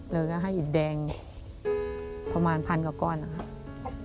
เราก็ให้อิดแดงประมาณพันกว่าก้อนนะครับ